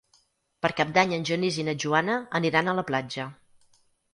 Per Cap d'Any en Genís i na Joana aniran a la platja.